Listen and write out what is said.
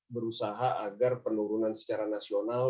berusaha agar penurunan secara nasional